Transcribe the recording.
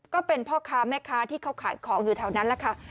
ก็เป็นพ่อค้าแม่ค้าที่เขาขายของอยู่แถวนั้นแหละค่ะ